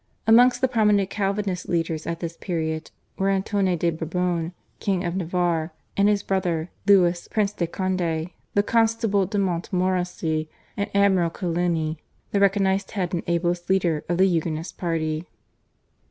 Amongst the prominent Calvinist leaders at this period were Antoine de Bourbon, King of Navarre, and his brother Louis Prince de Conde, the Constable de Montmorency and Admiral Coligny, the recognised head and ablest leader of the Huguenot party.